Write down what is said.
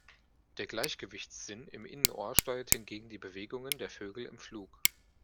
Der Gleichgewichtssinn im Innenohr steuert hingegen die Bewegungen der Vögel im Flug.